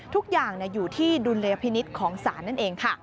ทุกอย่างอยู่ที่ดุลเลพินิตของศาลนั่นเอง